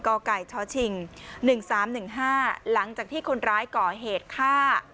ก่อไก่ชอชิงหนึ่งสามหนึ่งห้าหลังจากที่คนร้ายก่อเหตุฆ่า